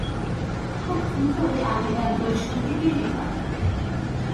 খুব দ্রুতই, আমি একদল সঙ্গী পেয়ে গেলাম।